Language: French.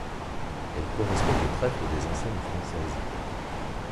Elle correspond au trèfle des enseignes françaises.